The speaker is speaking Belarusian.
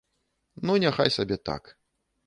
Ну няхай сабе так.